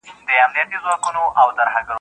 o هم ئې زړه کېږي، هم ئې ساړه کېږي.